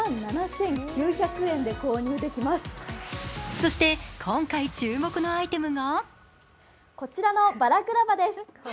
そして今回注目のアイテムがこちらのバラクラバです。